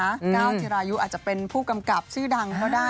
ก้าวจิรายุอาจจะเป็นผู้กำกับชื่อดังก็ได้